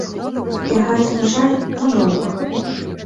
І гэта, на жаль, надоўга.